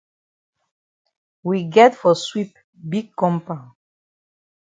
We get for sweep big compound.